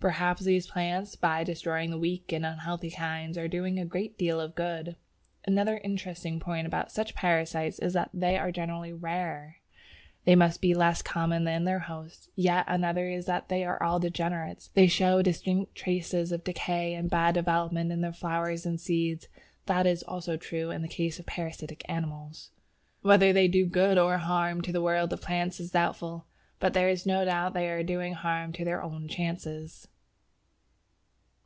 Perhaps these plants, by destroying the weak and unhealthy kinds, are doing a great deal of good. Another interesting point about such parasites is that they are generally rare. They must be less common than their "host." Yet another is that they are all "degenerates." They show distinct traces of decay and bad development in their flowers and seed. That is also true in the case of parasitic animals. Whether they do good or harm to the world of plants is doubtful, but there is no doubt that they are doing harm to their own chances!